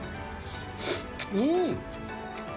うん！